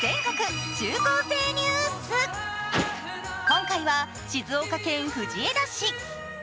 今回は静岡県藤枝市。